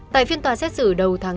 tại phiên tòa xét xử đầu tháng năm